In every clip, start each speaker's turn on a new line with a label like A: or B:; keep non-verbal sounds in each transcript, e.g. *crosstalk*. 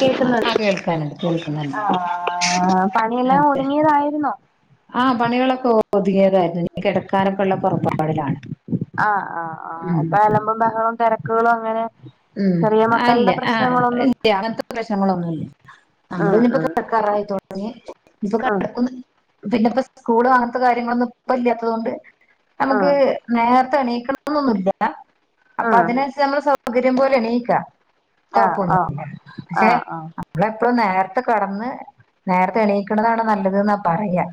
A: കേക്ക്ന്നുണ്ട്
B: ആഹ് കേൾക്കാനുണ്ട് കേൾക്കുന്നുണ്ട്
A: അഹ് പണിയെല്ലാം
B: അതെ
A: ഒതുങ്ങിയതായിരുന്നോ
B: ആഹ് പണികളൊക്കെ പോവും ഒതുങ്ങിയതായിരുന്നു കിടക്കാനൊക്കെ ഉള്ള പുറപ്പാടിലാണ് ഉം ഉം
A: ബഹളം തിരക്കുകളും അങ്ങനെ
B: ഉം
A: ചെറിയ മക്കളുടെ
B: അല്ല ആഹ്‌
A: പ്രശ്നങ്ങളൊന്നും
B: ഇല്ല അങ്ങനത്തെ പ്രശ്നങ്ങളൊന്നുല്ല നമ്മള്
A: ഉം
B: ഇനി ഇപ്പൊ
A: ഉം
B: കർക്കാറായിട്ടോ ഇപ്പൊ
A: ഉം
B: കടകൊന്നു പിന്നെ ഇപ്പ സ്കൂള് അങ്ങത്തെ കാര്യങ്ങളൊന്നും ഇപ്പ ഇല്ലാത്തത് കൊണ്ട് നമുക്ക്
A: ഉം
B: നേരത്തെ എണീക്കണംന്നൊന്നുല്ല അപ്പ
A: ഉം
B: അതിനനുസച്ച് നമ്മ പകരം പോലെ നീക്ക
A: ആഹ് ആഹ്
B: കൊഴപ്പൊന്നുല്ല പക്ഷെ
A: ആഹ് ആഹ്
B: നമ്മള എപ്പളും നേർത്തെ കടന്ന് നേരത്തെ എണീക്കുന്നതാണ് നല്ലത് ന്നാപറയാ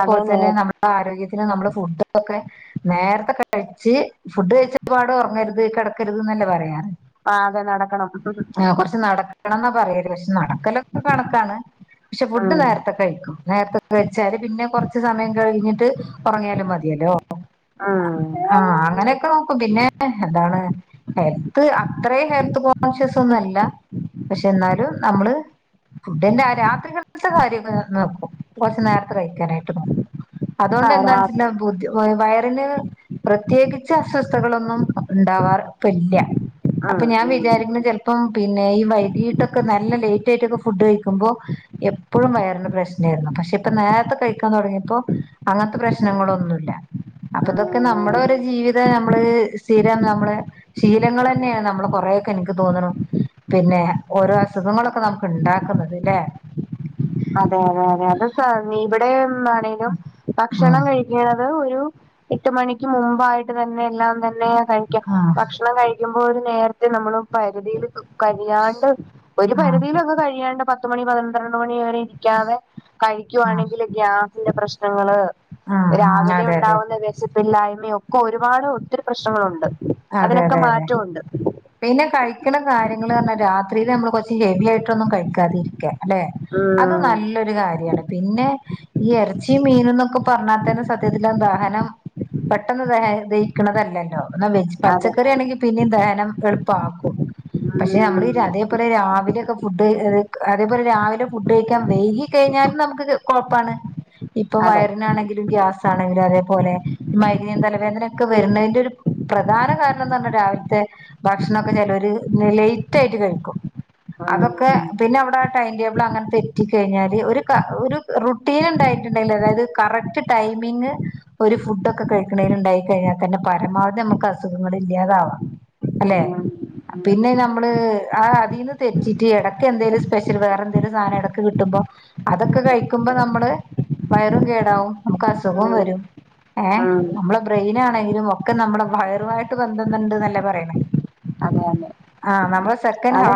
A: അതെ നേ
B: തന്നെ നമ്മടെ ആരോഗ്യത്തിന് നമ്മളെ ഫുഡ് ഒക്കെ നേരത്തെ കഴിച്ച് ഫുഡ് കഴിച്ചപാട് ഉറങ്ങര്ത് കിടക്കര്ത് ന്നല്ലേ പറയാ
A: ആഹ് അതെ നടക്കണം
B: ആഹ് കുറച്ച് നടക്കണംന്നാ പറയല് പക്ഷെ നടക്കലൊക്കെ കണക്കാണ് പക്ഷെ ഫുഡ്
A: ഉം
B: നേരത്തെക്കെ കഴിക്കും നേരത്തെ വെച്ചാല് പിന്നെ കൊറച്ച് സമയം കഴിഞ്ഞിട്ട് ഒറങ്ങിയാലും മതിയല്ലോ
A: ഉം
B: ആഹ് അങ്ങനെയൊക്കെ നോക്കും പിന്നെ എന്താണ് ഹെൽത്ത് അത്രയും ഹെൽത്ത് കോൺഷ്യസ് ഒന്നുംല്ല പക്ഷെ എന്നാലും നമ്മള് ഫുഡിന്റെ രാത്രികളത്തെ കാര്യക്കെ നോക്കും കുറച്ച് നേരത്തെ കഴിക്കാനായിട്ട് നോ അതുകൊണ്ട്
A: ആഹ് രാ
B: എന്താണ്ച്ച ബോധ്യം വയറിന് പ്രത്യേകിച്ച് അസ്വസ്ഥകളൊന്നും ഇണ്ടാവാർ ഇപ്പ ഇല്ല
A: ഉം
B: അപ്പ ഞാൻ
A: ഉം
B: വിചാരിക്കുന്ന ചെല് ഇപ്പം പിന്നെ ഈ വൈകീട്ടൊക്കെ നല്ല ലേറ്റ് ആയിട്ടൊക്കെ ഫുഡ് കഴിക്കുമ്പോൾ എപ്പോഴും വയറിന് പ്രശ്ന ആയിരുന്നു പക്ഷെ ഇപ്പ നേരത്തെ കഴിക്കാൻ തുടങ്ങിയപ്പോ അങ്ങനത്തെ പ്രശ്നങ്ങളൊന്നുല്ല അപ്പൊ ഇതൊക്കെ നമ്മുടെ
A: ഉം
B: ഒരു ജീവിതം നമ്മള് സ്ഥിരം നമ്മള് ശീലങ്ങൾ തന്നെയാണ് നമ്മള് കൊറെേൊക്കെ എനിക്ക് തോന്നണം പിന്നെ ഓരോ അസുഖങ്ങളൊക്കെ നമുക്ക് ഉണ്ടാക്കുന്നത് അല്ലെ
A: അതെ അതെ അതെ അത് സ നീ ഇവിടെ ആണെലും ഭക്ഷണം
B: ഉം
A: കഴിക്കണത് ഒരു എട്ട് മണിക്ക് മുമ്പായിട്ട് തന്നെ എല്ലാം തന്നെയ കഴിക്കാം
B: ആഹ്
A: ഭക്ഷണം കഴിക്ക ്പോ നേരത്തെ നമ്മള് പരിധിൽ കഴിയാണ്ട് ഒരു
B: ആഹ്
A: പരിധിയിലൊക്കെ കഴിയാണ്ട് പത്ത് മണി പന്ത്രണ്ട് മണി വരെ ഇരിക്കാതെ
B: ആഹ്
A: കഴിക്കുവാണെങ്കില് ഗ്യാസിന്റെ പ്രശ്നങ്ങള്
B: ആഹ് ആഹ്
A: രാവിലെ
B: അതെ അതെ
A: ഉണ്ടാവുന്ന വിശപ്പില്ലായ്മ ഒക്കെ ഒരുപാട് ഒത്തിരി പ്രശ്നങ്ങളുണ്ട്
B: അതെ
A: അതിനൊക്കെ
B: അതെ അതെ
A: മാറ്റമുണ്ട്
B: പിന്നെ കഴിക്കണം കാര്യങ്ങ പറഞ്ഞാ രാത്രിയില് നമ്മള് കൊറച്ച് ഹെവി ആയിട്ടൊന്നും കഴിക്കാതെ ഇരിക്ക അല്ലെ
A: ഉം
B: അത് നല്ലൊരു കാര്യാണ് പിന്നെ ഈ ഇറച്ചി മീന എന്നൊക്കെ പറഞ്ഞാത്തന്നെ സത്യത്തില്ല ദഹനം പെട്ടെന്ന് ദഹ ദഹിക്കണതല്ലോ എന്ന വെജ
A: അതെ
B: പച്ചക്കറി ആണെങ്കിൽ പിന്നെയും ദഹനം എളുപ്പമാക്കും പക്ഷെ നമ്മളീ അ
A: ഉം
B: അതേപോലെ രാവിലെൊക്കെ ഫുഡ് അതേപോലെ രാവിലെ ഫുഡ് കഴിക്കാൻ വൈക വൈകി കഴിഞ്ഞാലും നമുക്ക് കുഴപ്പാണ്
A: *inaudible*
B: ഇപ്പൊ വയറിനാണെങ്കിലും ഗ്യാസ ആണെങ്കിലും അതേപോലെഈ മൈഗ്രയ്ൻ തലവേദനൊക്കെ വരുന്നതിന്റെ ഒരു പ്രധാന കാരണം എന്ന് പറഞ്ഞ രാവിലത്തെ ഭക്ഷണമൊക്കെ ചെലവര് ലേറ്റ് ആയിട്ട് കഴിക്കും അതൊക്കെ
A: ഉം
B: പിന്നെ അവിടെ ടൈം ടേബിൾ അങ്ങനെ തെറ്റി കഴിഞ്ഞാല് ഒരു ഒരു റുട്ടീൻ ഉണ്ടായിട്ടുണ്ടെങ്കിൽ അതായത് കറക്റ്റ് ടൈമിംഗ ഒരു ഫുഡ് ഒക്കെ കഴിക്കണൽ ഉണ്ടായി കഴിഞ്ഞാൽ തന്നെ പരമാവധി ന അസുഖങ്ങൾ ഇല്ലാതാവാ അല്ലെ
A: ഉം ഉം
B: പിന്നെ നമ്മള് ആഹ് അതീന്ന് തെറ്റിട്ട് ഇടക്ക് എന്തേങ്കലും സ്പെഷ്യൽ വേറെ എന്തേലും സാധനം ഇടക്ക് കിട്ടുമ്പോ അതൊക്കെ കഴിക്കുമ്പോ നമ്മള് വയറും കേടാവും നമുക്ക് അസുഖം
A: ഉം
B: വരും ഏഹ് നമ്മളെ ബ്രെയിൻ ആണെലും ഒക്കെ നമ്മള വയ പൊതുവായിട്ട് ബന്ധം ഇണ്ടന്ന് ല്ലെ പരിണേ
A: അത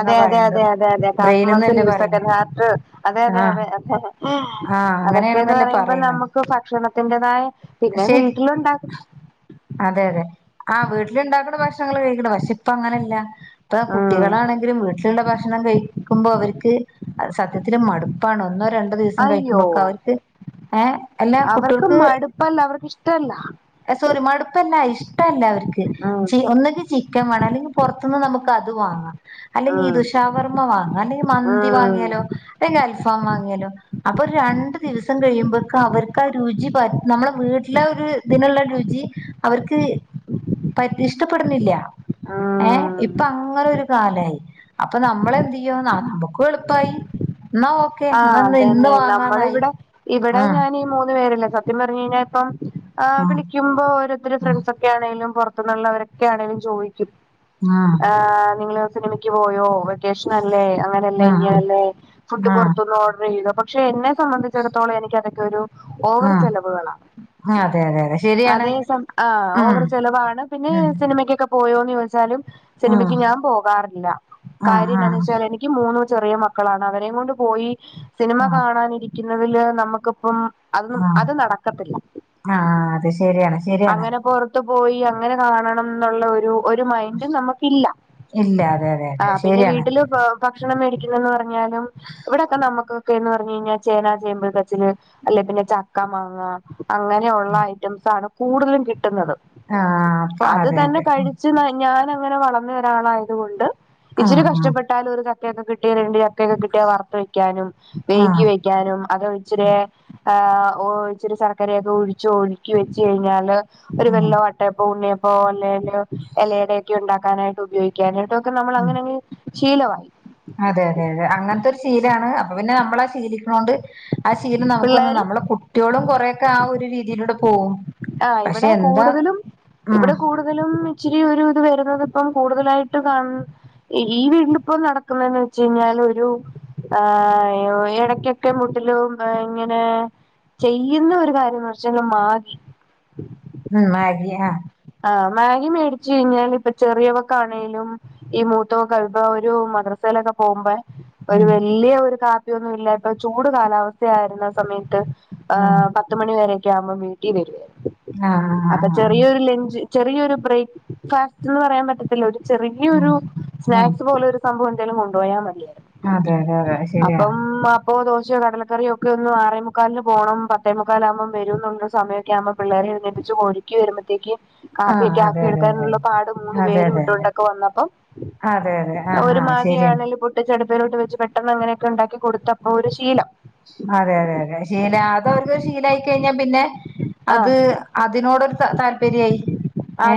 A: അതെതെ
B: പറയണത്
A: അതെതെതെ കാസ്മസിൽ
B: ബ്രെയിൻന്നല്ലേ പറയണേ
A: യുസക്കൻഹാർട്ട് അതെ അതെ
B: ആഹ്
A: അതെ അതെ ഉം
B: ആഹ്
A: അതൊക്കെയന്ന്
B: അങ്ങനെയാണെന്നല്ലേ
A: പറയുമ്പോ
B: പറയണേ
A: നമുക്ക് ഭക്ഷണത്തിന്റെതായ പിന്നെ
B: ശരി
A: വീട്ടിലുണ്ടാക്കും
B: അതെ അതെ ആ വീട്ടിൽ ഉണ്ടാക്കുന്ന ഭക്ഷണൾ കഴിക്കണം പക്ഷെ ഇപ്പ അങ്ങനെല്ല ഇപ്പ
A: ഉം
B: കുട്ടികളാണെങ്കിൽ വീട്ടിലുള്ള ഭക്ഷണം കഴിക്കുമ്പോ അവർക്ക് സത്യത്തിൽ മടുപ്പാണ് ഒന്നോ രണ്ടോ ദിവ
A: അയ്യോ
B: കഴിക്കുമ്പക്കെ അവർക്ക് ഏഹ് എല്ലാ
A: അവർക്ക്
B: കുട്ട്യോൾക്ക്
A: മടുപ്പല്ല അവർക്ക് ഇഷ്ടല്ല
B: സോറി മടുപ്പല്ല ഇഷ്ടല്ല അവർക്ക്
A: ഉം
B: ച ഒന്നങ്കി ചി ൻ വേണം അല്ലെങ്കിൽ പുറത്തന്ന് നമുക്ക് അത് വാങ്ങാം അല്ലെങ്കിൽ ഈ
A: ഉം
B: ദുഷാവർമ്മ വാങ്ങ അല്ലെങ്കിൽ മന്തി
A: ഉം
B: വാങ്ങിയാലോ അല്ലെങ്കിൽ അൽഫാം വാങ്ങിയാലോ അപ്പൊ ഒരു രണ്ടു ദിവസം കഴിയുമ്പക്ക അവർക്ക് ആ രുചി നമ്മളെ വീട്ടിലെ ഒരു ഇതിനുള്ള രുചി അവർക്ക് പ ഇഷ്ടപ്പെടുന്നില്ല ഏഹ്
A: ഉം
B: ഇപ്പൊ അങ്ങന ഒരു കാലമായി അപ്പൊ നമ്മളന്തയ്യോ ന നമ്മുക്ക് എളുപ്പായി എന്നാ ഓക്കെ എന്ന ഇന്ന്
A: നമ്മള
B: വാങ്ങാന്നായി
A: ഇവിടെ ഇവിടെ
B: ആ
A: ഞാൻ ഈ മൂന്നു പേരല്ല സത്യം പറഞ്ഞു കഴിഞ്ഞാൽ ഇപ്പം
B: ആ
A: വിള മ്പോ ഓരോരുത്തരു
B: ആ
A: ഫ്രണ്ട്സ് ഒക്കെ ആണെങ്കും പുറത്തന്നുള്ളവരൊക്കെ ആണേലും ചോദിക്കും ആ നിങ്ങള് സിനിമക്ക് പോയോ വെക്കേഷന അല്ലേ അങ്ങ *unintelligible* ഫുഡ്
B: ആ ആ
A: പൊർത്ത്ന്ന് ഓർഡർ ചെയ്തോ പക്ഷെ എന്നെ സംബന്ധിച്ചിടത്തോളം എനിക്ക് അതൊക്ക ഒരു ഓവർ
B: ആ
A: ചെലവുകളാണ്
B: ആ അതെ അതെ അതെ ശരിയാണ്
A: അതേ സം ആ
B: ഉം
A: ഓവർ ചെലവാണ് പിന്നെ
B: ഉം
A: സിനിമക്യോക്കെ പോയോന്ന് ചോദിച്ചാലും
B: ഉം
A: സിനിമക്ക് ഞാൻ പോകാറില്ല
B: ആ
A: കാര്യം
B: ആ
A: എന്നാന്ന് വെച്ചാൽ എനി ഇക്കി മൂന്നു ചെറിയ മക്കളാണ് അവരേം കൊണ്ട് പോയി സിനിമ
B: ആ
A: കാണാനിരിക്കുന്നതില് നമുക്ക്പ്പം അതന്നും
B: ആ
A: അത് നടക്കത്തില്ല
B: ആ അത് ശരിയാണ് ശരിയാണ്
A: അങ്ങന പോർ ത്ത് പോയി അങ്ങനെ കാണണം ന്ന്ള്ളോരു ഒരു മൈൻഡും നമുക്കില്ല
B: ഇല്ല അതെ അതെ
A: ആ
B: അതെ
A: പിന്നെ
B: ശരിയാണ്
A: വീട്ടില് പ് ഭക്ഷണം മേടിക്കുന്നന്ന് പറഞ്ഞാലും ഇവിടെക്കെ നമ്മുക്കൊക്കെ ഒന്ന് പറഞ് കഴിഞ്ഞാ ചേനാ ചേമ്പ് കച്ല് അല്ലെ പിന്നെ ചക്ക മാങ്ങ അങ്ങനെ ഉള്ള ഐറ്റംസ് ആണ് കൂടുതലും കിട്ടുന്നത്
B: ആ അപ്പൊ
A: അത്
B: അതെ
A: തന്നെ
B: അതെ
A: കഴിച്ച് ന ഞാനങ്ങനെ വളർന്ന ഒരാളായതു കൊണ്ട്
B: ആ
A: ഇച്ചിരി കഷ്ടപ്പെട്ടാലു ഒരു ചക്കയൊക്കെ കിട്ടിയത് ഇണ്ട് ചക്കെയൊക്കെ കി വറത്ത് വെക്ക്യാനും
B: ആ ആ
A: വൈകി വെക്ക്യാനും അത് ഇച്ചിര്യേ ആ ഓ ഇച്ചിരി ശർക്കര ഒക്ക ഒഴിച്ചു ഒഴുക്കി വെച് കഴിഞ്ഞാല് ഒരു
B: ഉം
A: വെല്ല വട്ടയപ്പോ ഉണ്ണിയപ്പോ അല്ലെങ്കില് എലയുടെക്കെ ഉണ്ടാക്കാനായിട്ട് ഉപയോഗിക്കാനായിട്ട് ഒക്ക നമ്മള്
B: ഉം
A: അങ്ങനെ അങ്ങ് ശീലമായി
B: അതെ അതെ അതെ അങ്ങൻത്തെ ഒരു ശീലാണ് അപ്പൊ പിന്നെ നമ്മള ശീലിക്ക്ണോണ്ട് ആ ശീലം നമുക്ക് ഒന്ന്
A: പിള്ളേരും
B: നമ്മള കുട്ടിയൊളും കൊറെക്കെ ആ ഒരു രീതിയിലൂടെ പോവും
A: ആ
B: പക്ഷെ
A: ഇവടെ
B: എന്താ
A: കൂടുതലും
B: ഉം
A: ഇവടെ കൂടു തലും ഇച്ചിരി ഒരു ഇത് വരുന്നത് ഇപ്പം കൂടുതലായിട്ട് കാൺ ഈ വീണ്ടു ഇപ്പം നടക്കുന്നന്ന് വെച്ച് കഴിഞ്ഞാല് ഒരു ആ എടക്ക്യോക്കെ മുട്ടിലും ഇങ്ങനെ ചെയ്യുന്ന ഒരു കാര്യന്ന് വച്ചാല് മാഗി
B: ഉം മാഗി ആ
A: ആ മാഗി മേടിച്ചു കഴിഞ്ഞാല് ഇപ്പ ചെറിയവക്ക ആണെലും ഈ മൂത്തോ കൽബ ഒരു മദ്രസയിലൊക്ക പോവുമ്പേ ഒരു
B: ഉം
A: വല്ല്യ ഒരു കാപ്പിയൊന്നും ഇല്ലാത്ത ചൂട് കാലാവസ്ഥയായിരുന്ന സമയത്ത് ആ
B: ഉം
A: പത്തുമണി വരെക്കെ ആവുമ്പം വീട്ടീ വരുവേ
B: ആ ആ ആ
A: അപ്പ
B: ആ
A: ചെറിയൊരു ലൻ റ്റ് ചെറിയോരു ബ്രേക്ക് ഫാസ്റ്റ്ന്ന് പറയാം പറ്റത്തില്ല ഒരു
B: ഉം
A: ചെറിയരു
B: ഉം
A: സ്നാക്സ് പോലെ ഒരു സംഭവം എന്തേലും കൊണ്ടോയാ മതിയായിരുന്നു
B: അതെ അതെ അതെ ശരിയാണ്
A: അപ്പം മ അപ്പോ ദോശയോ കടലക്കറിയോ ഒക്ക ഒന്ന് ആറേ മുക്കാൽന് പോണം പത്തേ മുക്കാല ആവുമ്പം വരും ന്നുള്ള സമയ ക്യ ആവുമ്പം പിള്ളേരെ എഴുന്നേൽപ്പിച്ച് ഒരുക്കി വരുമ്പഴത്തേക്യും
B: ആ
A: കാപ്പിയക്കെ
B: അതെ
A: ആക്കി
B: അതെ
A: എടുക്കാൻള്ള പാട് മൂന്ന്
B: അതെ
A: പേര്
B: അതെ
A: ഇട്ടു കൊണ്ടക്ക വന്നപ്പം
B: അതെ അതെ ആഹ്
A: ഒരു
B: ആഹ്
A: മാഗി
B: ശരിയാണ്
A: ആണേലും പൊട്ടിച് അടുപ്പെലോട്ട് വെച്ച് പെട്ടെന്ന് അങ്ങനെയൊക്കെ ഉണ്ടാക്കി കൊടുത്തപ്പോ ഒരു ശീലം
B: അതെ അതെ അതെ ശീല അത് അവർക്ക് ശീലായിക്കഴിഞ്ഞാ പിന്നെ
A: ആഹ്
B: അത് അതിനോടൊരു ത താല്പര്യായി ഏ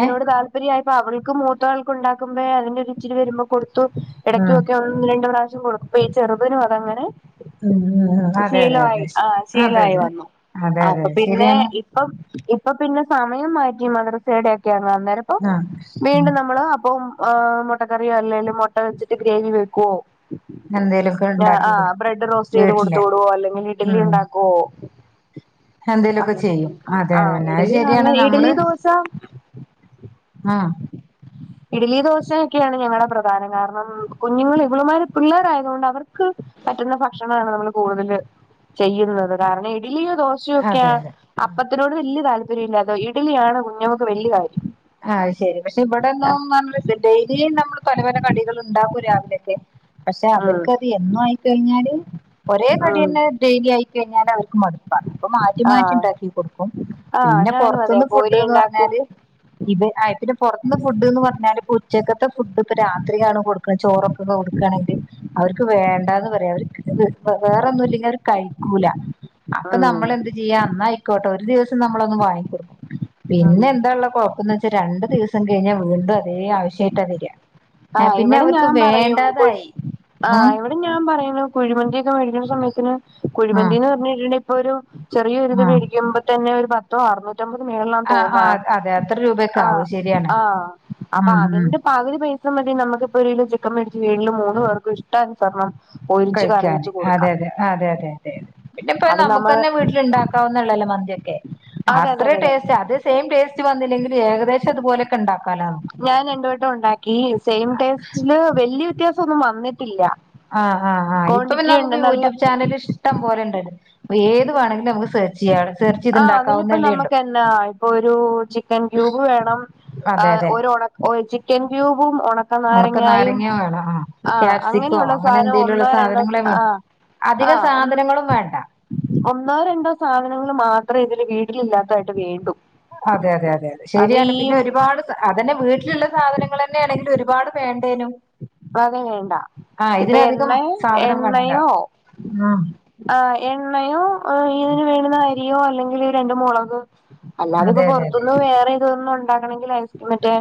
A: *unintelligible* അവൾക്കും മൂത്താൾക്കും ഇണ്ടാക്കുമ്പയേ അതിന്റെ ഒര് ഇച്ചിരി വരുമ്പോ കൊടുത്തോക്കും എടക്ക്
B: ഉം
A: ഒക്കെ ഒന്ന് രണ്ട് പ്രാവശ്യം കൊടുത്തു ഇപ്പ ഈ ചെറുതിനും അതങ്ങനെ
B: ഉം ഉം ഉം അതെ അതെ
A: ശീലമായി
B: അതെ
A: ആ
B: അതെ
A: ശീലമായി
B: അതെ
A: വന്നു
B: അതെ അതെ
A: അപ്പ പിന്നെ
B: ശരിയാണ്
A: ഇപ്പം ഇപ്പൊ പിന്നെ സമയം മാറ്റി മദ്രസയുടെക്കെ അന്നേരം
B: ആഹ് ഉം
A: വീണ്ടും നമ്മള് അപ്പവും മുട്ടക്കറിയോ അല്ലെലും മുട്ട വെച്ചിട്ട് ഗ്രേവി വെക്കൊ
B: എന്തേലൊക്കെ
A: ആ
B: ഇണ്ടാക്കി
A: ആ
B: കൊടുക്കും
A: ബ്രെഡ് റോസ്റ്റ് ചെയ്ത് കൊട്ത്തു
B: വീട്ടില്
A: വിടുവോ അല്ലെങ്കില് ഇഡ്ലി ഇണ്ടാക്കുവോ
B: എന്തേലൊക്ക ചെയ്‌ അതെ അതെന്നെ അത്
A: ഇഡലി
B: ശരിയാണ്
A: അങ്ങനെ
B: നമ്മള്
A: ഇഡലി ദോശ
B: ആഹ്
A: ഇഡ്ലി ദോശയൊക്കെയാണ് ഞങ്ങളുടെ പ്രധാനം കാരണം കുഞ്ഞുങ്ങൾ ഇവളുമാര് പിള്ളേരായത് കൊണ്ട് അവർ ക്ക് പറ്റുന്ന ഭക്ഷണമാണ് നമ്മൾ കൂടുതൽ ചെയ്യുന്നത് കാരണം ഇഡലിയോ ദോ ശൊക്കെയ
B: അതെ അതെ
A: അപ്പത്തിനോട് വല്യ താല്പര്യം ഇല്ല അതോ ഇഡലിയാണ് കുഞ്ഞുങ്ങക്ക് വല്യ കാര്യം
B: ആഹ് അയ്ശെരി പക്ഷെ ഇവിടെന്നും നമ്മള് ഡെയിലി നമ്മൾ പല പല കടികള് ഉണ്ടാക്കും രാവിലൊക്കെ പക്ഷെ
A: ഉം
B: അവർക്ക് അത് എന്നും ആയിക്കഴിഞ്ഞാല് ഒരേ
A: ഉം
B: കടിന്നെ ഡെയിലി ആയി കഴിഞ്ഞാൽ അവർക്ക് മടുപ്പാണ് അപ്പൊ മാറ്റി മാറ്റി
A: ആഹ്
B: ഉണ്ടാക്കി കൊടുക്കും
A: ആഹ്
B: പിന്നെ
A: ഞാനും അതെ
B: പൊറത്തുന്ന്
A: പൂരി
B: ഫുഡ്ന്ന്
A: ഉണ്ടാക്കും
B: പറഞ്ഞാല് ഇത് ആഹ് പിന്നെ പൊറത്തൂന്ന് ഫുഡ്ന്ന് പറഞ്ഞാ ഉച്ചക്കത്തെ ഫുടൊക്കെ രാത്രിയാണ് കൊടു ചോറൊക്കെ കൊടുക്കുകയാണെങ്കില് അവർക്ക് വേണ്ടാന്ന് പറയാ അവര് വേറൊന്നുംല്ലെങ്കിൽ അവര് കഴിക്കൂല അപ്പ
A: ഉം
B: നമ്മൾ എന്ത് ചെയ്യാ ന്നായിക്കോട്ടെ ഒരു ദിവസം നമ്മളൊന്ന് വാങ്ങിക്കൊടുക്കും പിന്നെ എന്താ ഉള്ള എന്താ വെച്ചാ രണ്ട് ദിവസം കഴിഞ്ഞാൽ വീണ്ടും അതേ ആവശ്യായിട്ടാ വരാ
A: ആഹ് ഇവിടെ ഞാൻ പറയും കുൽ
B: ഉം
A: ആഹ് ഇപ്പൊ ഞാൻ പറയുന്നു കുഴിമന്തിയൊക്കെ മേടിക്കുന്ന സമയത്തിന്
B: ഉം
A: കുഴിമന്തി എന്ന് പറഞ്ഞിട്ടുണ്ട ഇപ്പൊ ഒരു ചെറിയൊരിത്
B: ഉം
A: മേടിക്കുമ്പോ തന്നെ ഒരു പത്തോ ആർന്നൂ റ്റമ്പത് മേളില് ആണെന്ന്
B: ആ
A: തോന്നുന്നു
B: ആ അതെ അത്ര രൂപയൊക്കെ
A: ആഹ്
B: ആവും ശരിയാണ്
A: ആഹ് അപ്പൊ
B: ഉം ഉം
A: അതിന്റെ പകുതി പൈ ഉണ്ടെങ്കി നമുക്കിപ്പോ ഒരു കിലോ ചിക്കൻ മേടിച് വീട്ടില് മൂന്ന് പേർക്ക്‌ ഇഷ്ട ട്ടാനുസർണം പൊരിച്ച്
B: കഴിക്കാന്
A: കറിവെച്ച് കൊടുക്കാം
B: പിന്നെപ്പ അയ്ൻ
A: അത് നമ്മള്
B: നമുക്കന്നെ വീട്ടിൽ ഉണ്ടാക്കാവുന്നെ ഉള്ളു മന്തിയൊക്കെ
A: അതെ അതെ
B: അത്രെ
A: അതെ അതെ
B: ടേസ്റ്റ് അത് സെയിം ടേസ്റ്റ് വന്നില്ലെങ്കിലും എകദേശം അതുപോലെ ക്കെ ഉണ്ടാക്കാലോ നമുക്ക്
A: ഞാൻ രണ്ട് വട്ടം ഉണ്ടാക്കി സെയിം ടേസ്റ്റില് വല്യ വ്യത്യാസം ഒന്നും വന്നിട്ടില്ല
B: ആഹ് ആഹ് ആഹ് ഇപ്പൊ പിന്നെ
A: ക്വാണ്ടിറ്റി ഉണ്ട്
B: നമുക്ക്
A: നല്ല
B: യൂട്യൂബ് ചാനല് ഇഷ് ട്ടം പോലെണ്ടല്ലോ അപ്പ ഏത് വേണമെങ്കിലും നമുക്ക് സെർച്ച് ചെയ്യാ
A: ആഹ് അതിലിപ്പം നമുക്കെന്നാ ഇപ്പൊ ഒരു ചിക്കൻ ക്യൂബ് വേണം
B: അതെ
A: ആഹ്
B: അതെ
A: ഒരൊണ ചിക്കൻ ക്യൂബും ഒണ ക്ക
B: ഉണക്ക
A: നാരങ്ങായും
B: നാരങ്ങ വേണം ആ
A: ആഹ്
B: ക്യാപ്സിക്കോ
A: അങ്ങനെയുള്ള സാധനം ഒന്നോ രണ്ടോ ആഹ്
B: അധിക
A: ആഹ്
B: സാധനങ്ങളും വേണ്ട
A: ഒന്നോ രണ്ടോ സാധനങ്ങൾ മാത്രേ ഇതില് വീട്ടില് ഇല്ലാത്തയായിട്ട് വേണ്ടു
B: അതെ അതെ അതെ അതെ
A: അത്
B: ശരിയാണ്
A: ഈ
B: പിന്നെ ഒരുപാട് അതന്നെ വീട്ടിലുള്ള സാധനങ്ങൾ തന്നെയാണെങ്കിൽ ഒരുപാട് വേണ്ടേനു
A: പ്പത് വേണ്ട ഇപ്പൊ എണ്ണ
B: സാധനം വേണ്ടല്ല
A: എണ്ണയോ
B: ഉം
A: ആഹ് എണ്ണയോ ഓഹ് ഇതിന് വേണ്ടുന്ന അരിയോ അല്ലെങ്കിൽ രണ്ട് മുളക് അല്ലാതെ ഇപ്പൊ
B: അതെ അതെ അതെ
A: പൊറത്തുന്ന് വേറെ ഇതൊന്നും ഉണ്ടാക്കണെങ്കിൽ ഐസ് മറ്റേ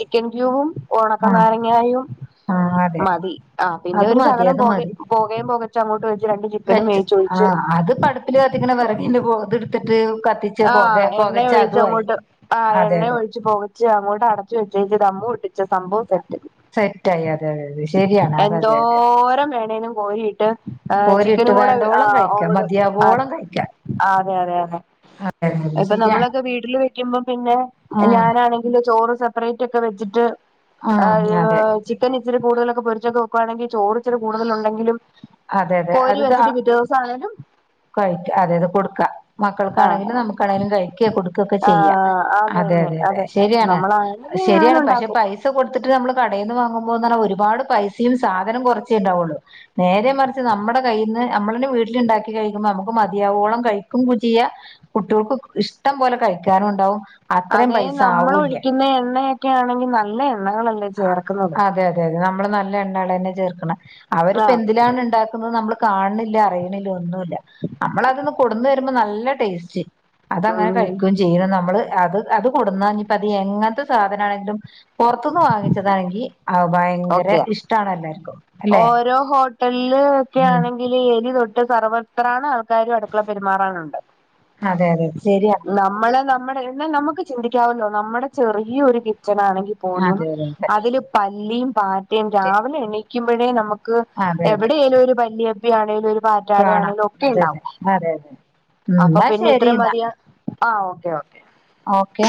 A: ചിക്കൻ ക്യൂബും ഒണക്ക
B: ആഹ്
A: നാരങ്ങായും
B: ആഹ് അതെ
A: മതി ആഹ് പിന്നെ
B: അത്
A: ഒരു
B: മതി
A: ശകലം
B: അത്
A: പോക
B: മതി
A: പോകേയും പോകച്ച് അങ്ങോട്ട് വച്ച് രണ്ട് ചി
B: വെച്ച് ആഹ് അത് പടപ്പില് കത്തിക്ക്ണ വെറകിന്റെ പൊ ഇത്ട്ത്തിട്ട് കത്ത്
A: ആഹ് എണ്ണ ഒഴിച്ച് അങ്ങോട്ട് ആഹ്
B: അതെ
A: എണ്ണ
B: അതെ
A: ഒഴിച്ച് പൊക ച്ചു അങ്ങോട്ട് അടച്ചു വെചേച്ചു ദമ്മു ഒട്ടിച്ച് സംഭവം സെറ്റ്
B: സെറ്റായി അതെ അതെ അതെ ശരിയാണ് അതെ അതെ അതെ
A: എന്തോരം വേണലും കോരിയിട്ടോ ഓഹ്
B: കോരിയിട്ട്
A: ചിക്കനും കൂടെ
B: വേണ്ടോളം
A: ആഹ്
B: കഴിക്കാം
A: അവിടെ ആഹ്
B: മതിയാവോളം കഴിക്കാം
A: ആഹ് അതെ അതെ
B: അതെ അതെ അതെ
A: ഇപ്പൊ
B: ശരിയാണ്
A: നമ്മളൊക്കെ വീട്ടില് വെക്കുമ്പം പിന്നെ
B: ആഹ്
A: ഞാനാണെങ്കില് ചോറ് സെപ്പറേറ്റ് ഒക്കെ വെച്ചിട്ട് ആഹ് ഏഹ് ചിക്കൻ ഇച്ചിരി കൂടുതലൊക്കെ പൊരിച്ചൊക്കെ വെക്കുകവാണെങ്കിൽ ചോറ് ഇച്ചിരി കൂടുതൽ ഉണ്ടെങ്കിലും
B: അതെ അതെ
A: കോരി
B: അത് ദാ
A: വെച്ചിട്ട് പിറ്റേ ദിവസം ആണേലും
B: കഴിക്ക അതായത് കൊടുക്കാ
A: ആ
B: മക്കൾക്കാണെങ്കിലും നമുക്കാണെങ്കിലും കഴിക്കെ കൊടുക്കക്കെ
A: ആ
B: ചെയ്യാം.
A: അത്
B: അതെ
A: തന്നെ
B: അതെ അതെ ശരിയാണ്.
A: നമ്മളാണെങ്കിൽ ഞാൻ
B: ശരിയാണ് പക്ഷെ
A: ഉണ്ടാക്കും
B: പൈ പൈസ കൊടുത്തിട്ട് നമ്മൾ കടയിൽന്ന് വാങ്ങുമ്പോ ന്ന്പറഞ്ഞ് ഒരുപാട് പൈസയും സാധനം കുറച്ചേ ഉണ്ടാവുള്ളു. നേരെ മറിച്ച് നമ്മുടെ കയ്യിൽ നിന്ന് നമ്മള തന്നെ വീട്ടിലിണ്ടാക്കി. കഴിക്കുമ്പോ നമുക്ക് മതിയാവോളം കഴിക്കും ചെയ്യാ. കുട്ടിൾക്ക് ഇഷ്ടം പോലെ കഴിക്കാനും ഉണ്ടാവും. അത്രയും
A: അതേ
B: പൈസ
A: നമ്മൾ
B: ആവൂല്ല
A: ഒഴിക്കുന്ന എണ്ണയൊക്കെ ആണെങ്കി നല്ല എണ്ണകളല്ലേ ചേർക്കണത്
B: അതെ അതെ അതെ നമ്മള് നല്ല എണ്ണാളെന്നെ ചേർക്കണ് അവരിപ്പ
A: ആ
B: എന്തിലാണ് ഇണ്ടാ - ക്കുന്നത് നമ്മള് കാണണില്ല അറിയണില്ല ഒന്നുല്ല. നമ്മൾ അതന്ന് കൊടന്ന് തരുമ്പോ നല്ല ടേസ്റ്റ് അതങ്ങനെ
A: ഉം
B: കഴിക്കു ചെയ്യും. ചെയ നമ്മള് അത് അത് കൊടുന്നാഞ്ഞ്പ്പ അത്ഞ്ഞ് എങ്ങനത്തെ സാധനാണെങ്കിലും പൊറത്തന്ന് വാങ്ങിച്ചതാണെങ്കി അത് ഭയങ്കര
A: ഓക്കെ
B: ഇഷ്ട്ടാണല്ലാരും.
A: ഓരോ ഹോട്ടലില് ഒക്കെ
B: ഉം
A: ആണെങ്കിൽ എലി തൊട്ട് സർവർ- ത്രാണ് ആൾക്കാരും അടുക്കള പെരുമാറാനുണ്ട്
B: അതെ അതെ ശരിയാ
A: നമ്മള് നമ്മുടെ- എന്നാൽ നമുക്ക് ചിന്തിക്കാവല്ലോ നമ്മുടെ ചെറിയൊരു കിച്ചൺ ആണെങ്കി പോലും
B: അതെ അതെ അതെ
A: അതില് പല്ലിയും പാറ്റയും
B: ശരി.
A: രാവിലെ എണീക്കുമ്പഴേ നമുക്ക്
B: അതെ അതെ
A: എവിടെലും ഒരു പല്ലിയ- ആണെലും ഒരു പാറ്റാണി
B: കാണാം
A: ആണേലും ഒക്കെ
B: അതെ
A: ഉണ്ടാവും
B: അതെ അതെ അതെ ഉം
A: അപ്പൊ
B: എന്നാ
A: പിന്നെ
B: ശരി
A: ഇത്രയും
B: എന്നാ
A: മതിയ ആഹ് ഓക്കേ ഓക്കേ.
B: ഓക്കെ